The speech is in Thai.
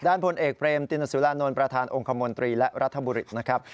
พลเอกเบรมตินสุรานนท์ประธานองค์คมนตรีและรัฐบุริตนะครับ